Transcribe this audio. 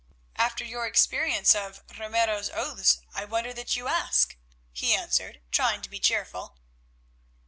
"After your experience of Ramiro's oaths I wonder that you ask," he answered, trying to be cheerful.